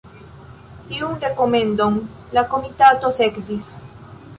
Tiun rekomendon la komitato sekvis.